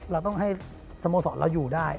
เราต้องให้สโมสรเราอยู่ได้